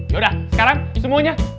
yaudah sekarang semuanya